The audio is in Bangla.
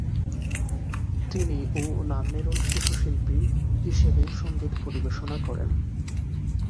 তিনি ও নান্নেরল শিশুশিল্পী হিসেবে সঙ্গীত পরিবেশনা করেন।